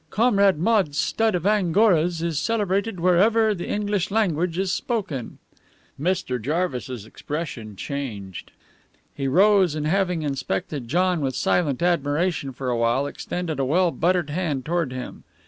Comrade Maude's stud of Angoras is celebrated wherever the English language is spoken." Mr. Jarvis's expression changed. He rose, and, having inspected John with silent admiration for a while, extended a well buttered hand towards him.